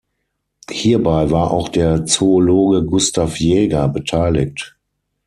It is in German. Hierbei war auch der Zoologe Gustav Jäger beteiligt.